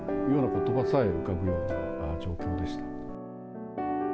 ことばさえ浮かぶような状況でした。